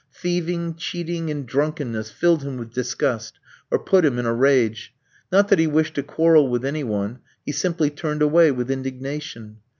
Thieving, cheating, and drunkenness filled him with disgust, or put him in a rage not that he wished to quarrel with any one; he simply turned away with indignation.